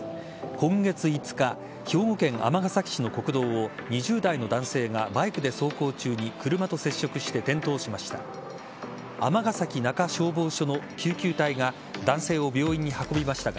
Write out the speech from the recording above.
今月５日、兵庫県尼崎市の国道を２０代の男性がバイクで走行中に車と接触して転倒しました。